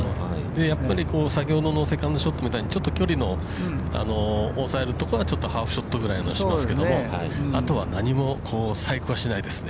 ◆やっぱり先ほどのセカンドショットみたいに、ちょっと距離の抑えるところはハーフショットぐらいしますけどあとは何も細工はしてないですね。